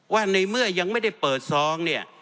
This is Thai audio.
ว่าในเมื่อยังไม่ได้เปิดซองเนี่ย